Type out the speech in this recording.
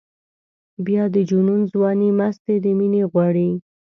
بیا د جنون ځواني مستي د مینې غواړي.